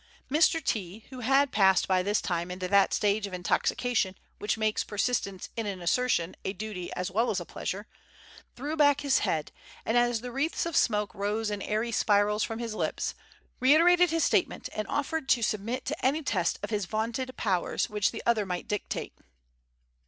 Mr. T , who had passed by this time into that stage of intoxication which makes persistence in an assertion a duty as well as a pleasure, threw back his head, and as the wreaths of smoke rose in airy spirals from his lips, reiterated his statement, and offered to submit to any test of his vaunted powers which the other might dictate.